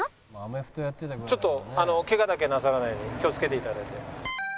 ちょっとケガだけなさらないように気をつけて頂いて。